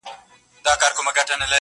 نه تر ستوني یې سو کښته تېرولالی٫